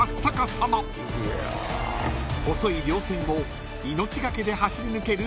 ［細い稜線を命懸けで走り抜ける］